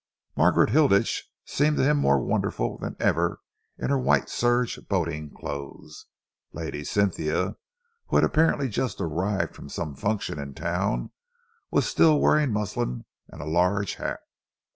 Margaret Hilditch seemed to him more wonderful than ever in her white serge boating clothes. Lady Cynthia, who had apparently just arrived from some function in town, was still wearing muslin and a large hat.